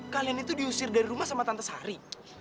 kalian itu diusir dari rumah sama tante sari